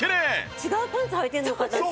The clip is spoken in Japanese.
違うパンツはいてるのかと。